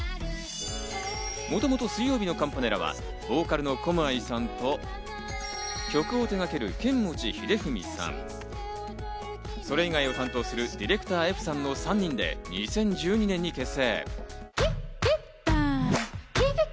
もともと水曜日のカンパネラは、ボーカルのコムアイさんと曲を手がけるケンモチヒデフミさん、それ以外を担当するＤｉｒ．Ｆさんの３人で２０１２年に結成。